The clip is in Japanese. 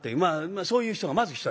そういう人がまず一人。